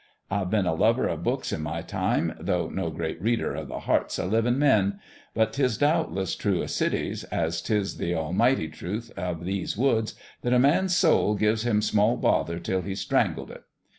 I've been a lover o' books, in my time, though no great reader o' the hearts o' livin' men ; but 'tis doubt less true o' cities, as 'tis the almighty truth o' these woods, that a man's soul gives him small bother 'til he's strangled it.